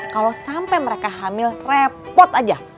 kalau sampai mereka hamil repot aja